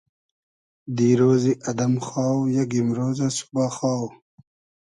دیرۉزی ادئم خاو ، یئگ ایمرۉزۂ ، سوبا خاو